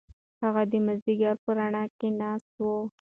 هغه د مازیګر په رڼا کې ناسته وه.